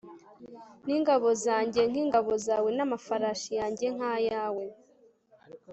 n’ingabo zanjye nk’ingabo zawe, n’amafarashi yanjye nk’ayawe”